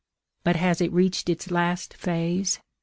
But has it reached its last phase?